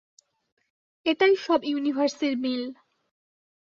এটাই সব ইউনিভার্সের মিল।